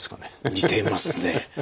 似てますね。